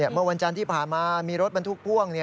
เมื่อวันจันทร์ที่ผ่านมามีรถบรรทุกพ่วง